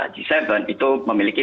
g tujuh itu memiliki